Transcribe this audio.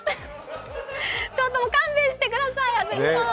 ちょっともう勘弁してください安住さん！